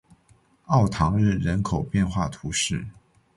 奥唐日人口变化图示